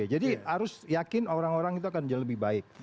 jadi harus yakin orang orang itu akan lebih baik